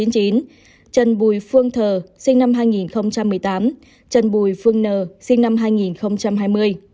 trần bùi phương thờ sinh năm hai nghìn một mươi tám trần bùi phương nờ sinh năm hai nghìn hai mươi